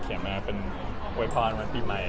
เขียนมาแล้วก็หมายความโอ๊ยปอนด์วันปีใหม่